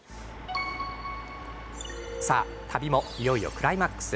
さあ、旅もいよいよクライマックス。